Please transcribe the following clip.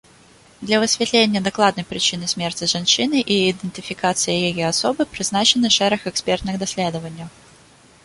Для высвятлення дакладнай прычыны смерці жанчыны і ідэнтыфікацыі яе асобы прызначаны шэраг экспертных даследаванняў.